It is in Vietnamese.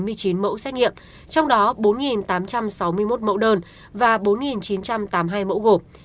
đó là một chín trăm chín mươi chín mẫu xét nghiệm trong đó bốn tám trăm sáu mươi một mẫu đơn và bốn chín trăm tám mươi hai mẫu gộp